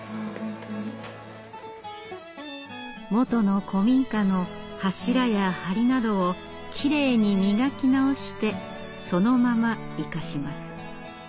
もとの古民家の柱や梁などをきれいに磨き直してそのまま生かします。